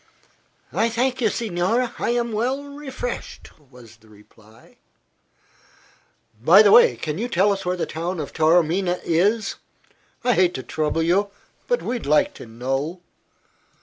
"I thank you, signore, I am well refreshed," was the reply. "By the way, can you tell us where the town of Taormina is? I hate to trouble you; but we'd like to know."